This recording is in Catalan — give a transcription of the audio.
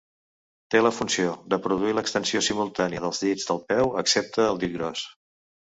Té la funció de produir l'extensió simultània dels dits del peu excepte el dit gros.